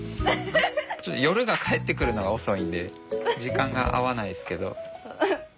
ちょっと夜が帰ってくるのが遅いんで時間が合わないすけど。